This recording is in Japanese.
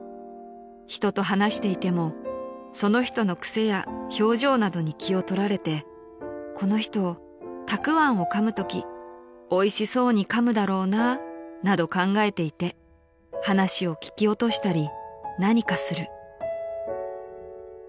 ［「人と話していてもその人の癖や表情などに気をとられてこの人たくわんをかむときおいしそうにかむだろうななど考えていて話を聞き落としたり何かする」］